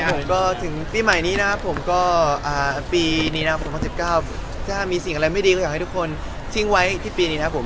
ผมก็ถึงปีใหม่นี้นะครับผมก็ปีมีนาคม๑๙ถ้ามีสิ่งอะไรไม่ดีก็อยากให้ทุกคนทิ้งไว้ที่ปีนี้นะครับผม